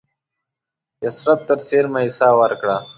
یثرب ته څېرمه یې ساه ورکړه.